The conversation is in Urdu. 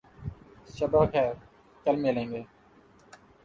شب بخیر. کل ملیں گے